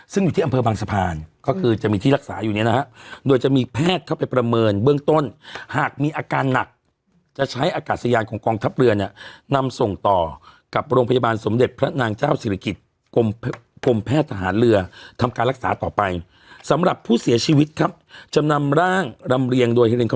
ซึ่งอยู่ที่อำเภอบางสะพานก็คือจะมีที่รักษาอยู่เนี่ยนะฮะโดยจะมีแพทย์เข้าไปประเมินเบื้องต้นหากมีอาการหนักจะใช้อากาศยานของกองทัพเรือเนี่ยนำส่งต่อกับโรงพยาบาลสมเด็จพระนางเจ้าศิริกิจกรมแพทย์ทหารเรือทำการรักษาต่อไปสำหรับผู้เสียชีวิตครับจะนำร่างรำเรียงโดยเฮีย